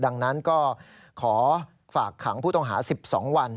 ดังนั้นก็ขอฝากขังผู้ต้องหา๑๒วัน